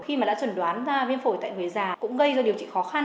khi mà đã chuẩn đoán viêm phổi tại người già cũng gây ra điều trị khó khăn